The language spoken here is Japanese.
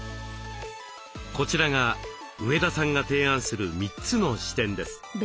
こちらが上田さんが提案する３つの視点です。